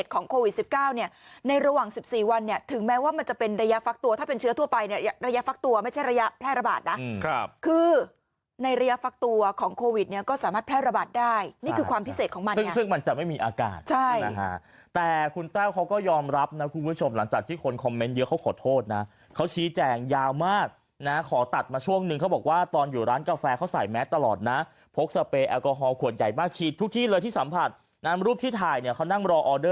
โควิดสิบเก้าเนี่ยในระหว่างสิบสี่วันเนี่ยถึงแม้ว่ามันจะเป็นระยะฟักตัวถ้าเป็นเชื้อทั่วไปเนี่ยระยะฟักตัวไม่ใช่ระยะแพร่ระบาดนะครับคือในระยะฟักตัวของโควิดเนี่ยก็สามารถแพร่ระบาดได้นี่คือความพิเศษของมันเนี่ยคือมันจะไม่มีอากาศใช่แต่คุณแต้วเขาก็ยอมรับนะคุณผู้ชมหลัง